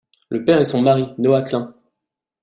Le père est son mari, Noah Klein.